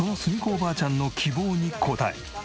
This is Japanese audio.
おばあちゃんの希望に応え。